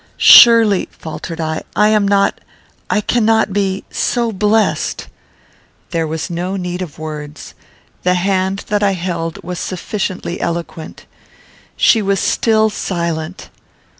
"Surely," faltered I, "I am not I cannot be so blessed." There was no need of words. The hand that I held was sufficiently eloquent. She was still silent.